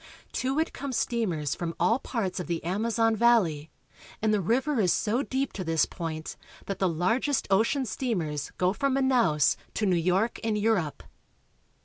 To it come steamers from all parts of the Amazon valley, and the river is so deep to this point that the largest ocean steam ers go from Manaos to New York and Europe.